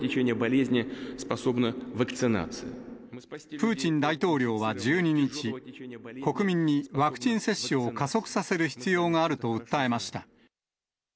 プーチン大統領は１２日、国民にワクチン接種を加速させる必要があると訴えました。